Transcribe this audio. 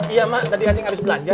iya ma tadi achen habis belanja